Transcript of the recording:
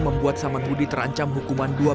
membuat samanhudi terkait penangkapan ruang dan waktu